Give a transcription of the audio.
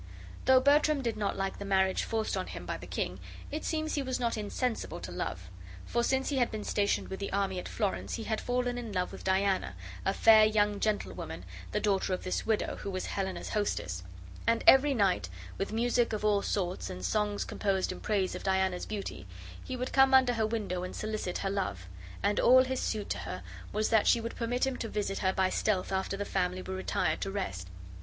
Though Bertram did not like the marriage forced on him by the king, it seems he was not insensible to love, for since he had been stationed with the army at Florence he had fallen in love with Diana, a fair young gentlewoman, the daughter of this widow who was Helena's hostess; and every night, with music of all sorts, and songs composed in praise of Diana's beauty, he would come under her window and solicit her love; and all his suit to her was that she would permit him to visit her by stealth after the family were retired to rest.